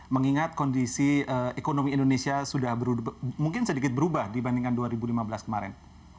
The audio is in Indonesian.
mengingat kondisi ekonomi indonesia sudah mungkin sedikit berubah dibandingkan dua ribu lima belas kemarin